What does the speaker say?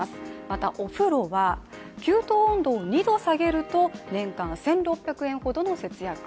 また、お風呂は給湯温度を２度下げると年間１６００円ほどの節約。